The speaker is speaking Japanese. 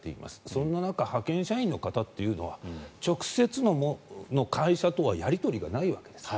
そんな中派遣社員の方というのは直接の会社とはやり取りがないわけですね。